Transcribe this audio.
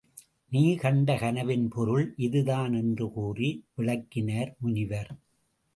நீ கண்ட கனவின் பொருள் இதுதான் என்றுகூறி விளக்கினார் முனிவர்.